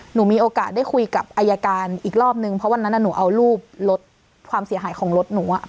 หนูมีโอกาสได้คุยกับอายการอีกรอบนึงเพราะวันนั้นหนูเอารูปรถความเสียหายของรถหนูอ่ะ